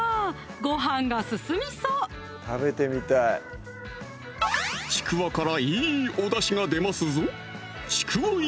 ごはんが進みそうちくわからいいおだしが出ますぞ